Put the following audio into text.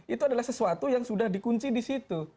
itu adalah sesuatu yang sudah dikunci di situ